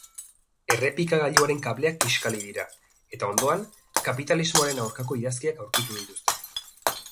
Errepikagailuaren kableak kiskali dira, eta ondoan, kapitalismoaren aurkako idazkiak aurkitu dituzte.